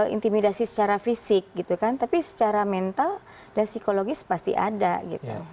intimidasi secara fisik gitu kan tapi secara mental dan psikologis pasti ada gitu